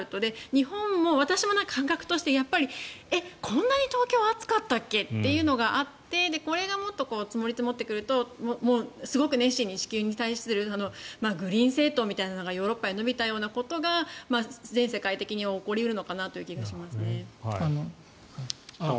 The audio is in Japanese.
日本は、私も感覚としてやっぱりえっ、こんなに東京暑かったっけっていうのがあってこれがもっと積もり積もってくるとすごく熱心に地球に対するグリーン政党みたいなのがヨーロッパで伸びたようなことが全世界的には起こり得るのかなという気がしますね。